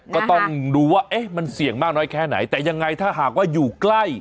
ก็ต้องดูว่าเอ๊ะมันเสี่ยงมากน้อยแค่ไหนแต่ยังไงถ้าหากว่าอยู่ใกล้